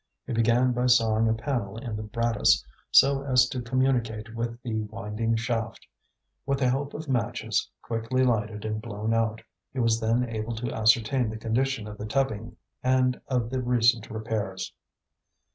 He began by sawing a panel in the brattice so as to communicate with the winding shaft. With the help of matches, quickly lighted and blown out, he was then able to ascertain the condition of the tubbing and of the recent repairs.